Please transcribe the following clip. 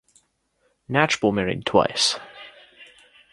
Knatchbull married twice.